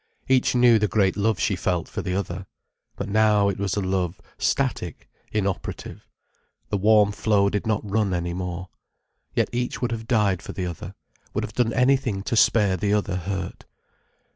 Each knew the great love she felt for the other. But now it was a love static, inoperative. The warm flow did not run any more. Yet each would have died for the other, would have done anything to spare the other hurt.